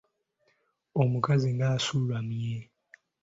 Omukazi ng'asuulamye.